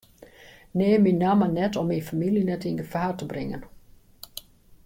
Neam myn namme net om myn famylje net yn gefaar te bringen.